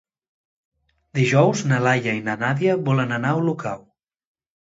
Dijous na Laia i na Nàdia volen anar a Olocau.